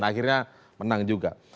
akhirnya menang juga